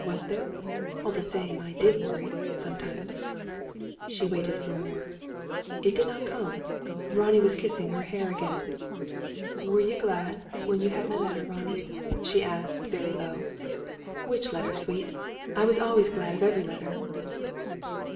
Was there? All the same I did worry sometimes." She waited for more. It did not come. Ronnie was kissing her hair again. "Were you glad when you had my letter, Ronnie?" she asked, very low. "Which letter, sweet? I was always glad of every letter."